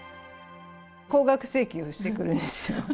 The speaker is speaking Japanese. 高額請求をしてくるんですよ。